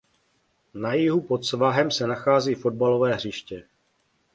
Na jihu pod svahem se nachází fotbalové hřiště.